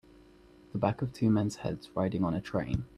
The back of two men 's heads riding on a train.